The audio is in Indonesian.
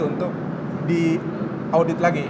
untuk diaudit lagi